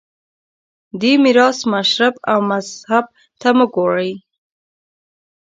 دې میراث مشرب او مذهب ته مه ګورئ